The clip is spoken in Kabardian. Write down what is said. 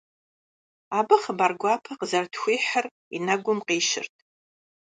Абы хъыбар гуапэ къызэрытхуихьыр и нэгум къищырт.